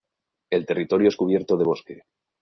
El territorio es cubierto de bosque.